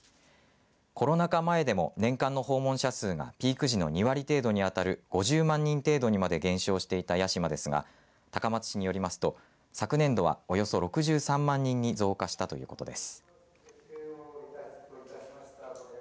コロナ禍前でも年間の訪問者数がピーク時の２割程度に当たる５０万人程度にまで減少していた屋島ですが高松市によりますと、昨年度はおよそ６３万人に増加したということです。